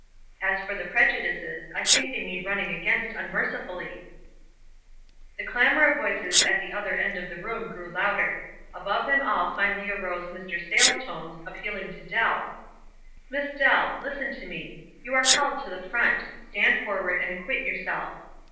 As for the prejudices, I think they need running against unmercifully." The clamor of voices at the other end of the room grew louder. Above them all finally arose Mr. Sayles' tones, appealing to Dell, — "Miss Dell ! Listen to me. You are called to the front ; stand forward and acquit yourself.